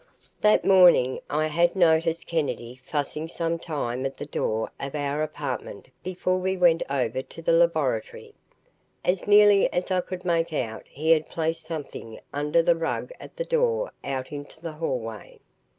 ........ That morning I had noticed Kennedy fussing some time at the door of our apartment before we went over to the laboratory. As nearly as I could make out he had placed something under the rug at the door out into the hallway.